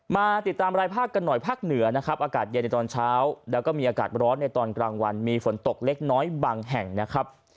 มาติดตามรายภาคกันหน่อยภาคเหนือนะครับอากาศเย็นในตอนเช้าแล้วก็มีอากาศร้อนในตอนกลางวันมีฝนตกเล็กน้อยบางแห่งนะครับ